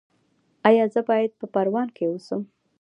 ایا زه باید په پروان کې اوسم؟